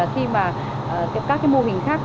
khi mà các cái mô hình khác